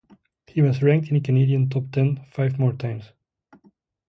He was ranked in the Canadian top-ten five more times.